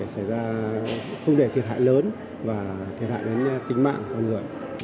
xảy ra không để thiệt hại lớn và thiệt hại đến tính mạng con người